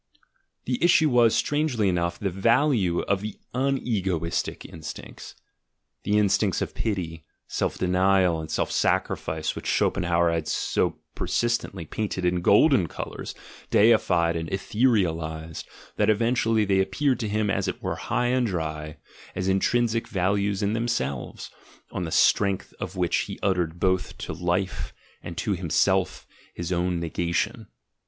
The issue was, strangely enough, the value of the "unegoistic" instincts, the in stincts of pity, self denial, and self sacrifice which Schop enhauer had so persistently painted in golden colours, deified and etherealised, that eventually they appeared to him, as it were, high and dry, as "intrinsic values in them selves," on the strength of which he uttered both to Life and to himself his own negation.